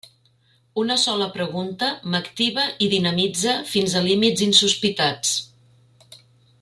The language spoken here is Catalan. Una sola pregunta m'activa i dinamitza fins a límits insospitats.